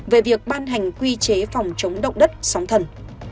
về việc ban hành quy chế phòng chống động đất sóng thần